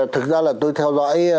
thực ra là tôi theo dõi